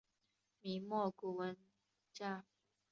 明末古文家。